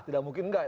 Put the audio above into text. tidak mungkin enggak